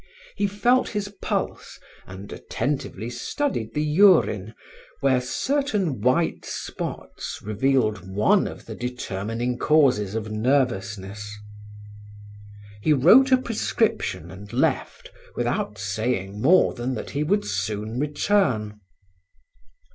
He felt his pulse and attentively studied the urine where certain white spots revealed one of the determining causes of nervousness. He wrote a prescription and left without saying more than that he would soon return.